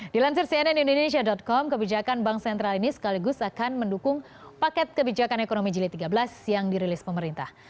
dilansir cnn indonesia com kebijakan bank sentral ini sekaligus akan mendukung paket kebijakan ekonomi jilid tiga belas yang dirilis pemerintah